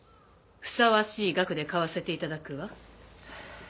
ふさわしい額で買わせていただくわ。